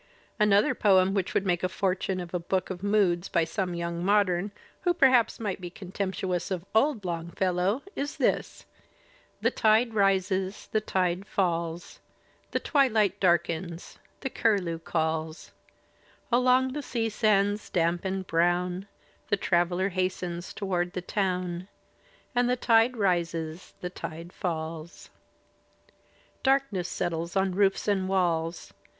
Another poem which would make the fortune of a book of "moods" by some young modem, who perhaps might be contemptuous of old Longfellow, is this: The tide rises, the tide falls. The twiUght darkens, the curlew calls; Along the sea sands damp and brown The traveller hastens toward the town. And the tide rises, the tide falls. Darkness settles on roofs and walls.